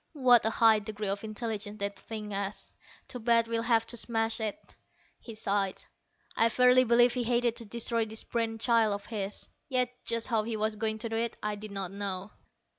What a high degree of intelligence that thing has! Too bad we'll have to smash it." He sighed. I verily believe he hated to destroy this brain child of his. Yet just how he was going to do it, I did not know.